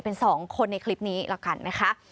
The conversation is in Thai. เป็นสองคนในคลิปนี้แล้วกันนะคะ